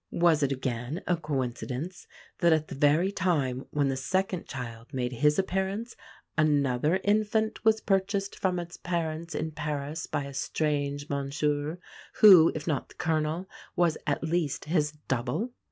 Was it again a coincidence that, at the very time when the second child made his appearance, another infant was purchased from its parents in Paris by a "strange monsieur" who, if not the Colonel, was at least his double?